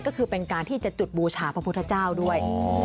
ก็คือเป็นการที่จะจุดบูชาพระพุทธเจ้าด้วย